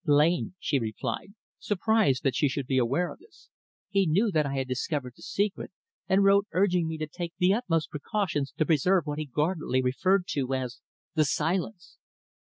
"Blain," she replied, surprised that he should be aware of this. "He knew that I had discovered the secret, and wrote urging me to take the utmost precautions to preserve what he guardedly referred to as the Silence."